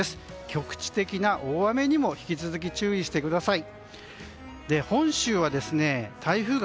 局地的な大雨にも引き続き注意してください。